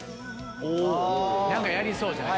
やりそうじゃない？